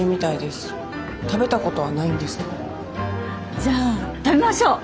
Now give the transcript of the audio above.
じゃあ食べましょう！